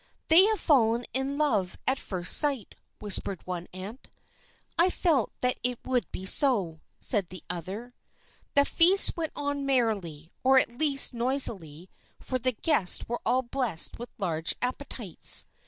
"They have fallen in love at first sight," whispered one aunt. "I felt that it would be so," said the other. The feast went on merrily, or at least noisily, for the guests were all blessed with large appetites.